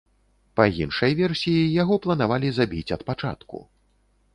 Па іншай версіі, яго планавалі забіць ад пачатку.